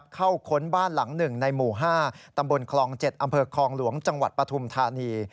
ค้นบ้านหลัง๑ในหมู่๕ตำบลคลอง๗อำเภอคลองหลวงจังหวัดปฐุมธานี